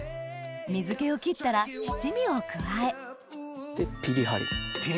水気を切ったら七味を加えぴりはりま。